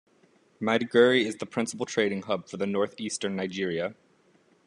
Maiduguri is the principal trading hub for north-eastern Nigeria.